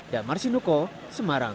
damar sinuko semarang